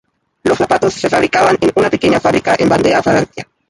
Los zapatos se fabricaban en una pequeña fábrica en Vandea, Francia.